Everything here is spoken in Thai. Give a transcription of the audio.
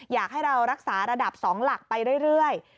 อยากให้เรารักษาระดับ๒หลักไปเรื่อย